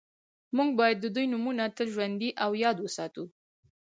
موږ باید د دوی نومونه تل ژوندي او یاد وساتو